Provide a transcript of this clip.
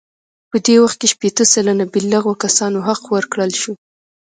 په دې وخت کې شپیته سلنه بالغو کسانو حق ورکړل شو.